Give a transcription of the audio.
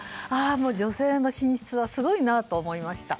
もう女性の進出はすごいなと思いました。